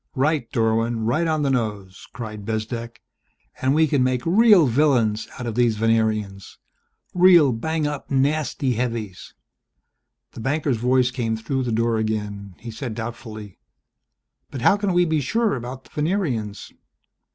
"Right, Dorwin! Right on the nose!" cried Bezdek. "And we can make real villains out of these Venerians, real bang up nasty heavies!" The banker's voice came through the door again. He said doubtfully, "But how can we be sure about the Venerians